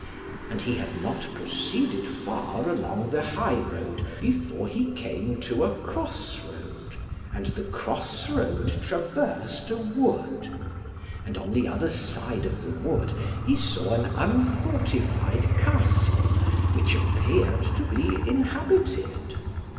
And he had not proceeded far along the high road before he came to a cross road, and the cross road traversed a wood. And on the other side of the wood he saw an unfortified castle, which appeared to be inhabited.